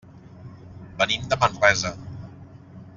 Venim de Manresa.